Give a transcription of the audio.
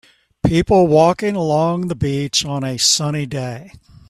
People walking along the beach on a sunny day